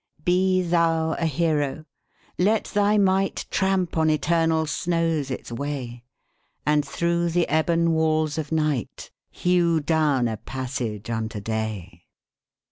Be thou a hero; let thy might Tramp on eternal snows its way, And through the ebon walls of night, Hew down a passage unto day.